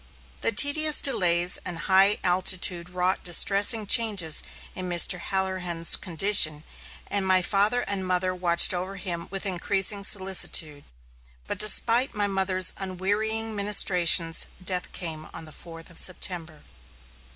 The tedious delays and high altitude wrought distressing changes in Mr. Halloran's condition, and my father and mother watched over him with increasing solicitude. But despite my mother's unwearying ministrations, death came on the fourth of September.